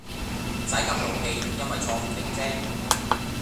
唔使咁勞氣因為坐唔定姐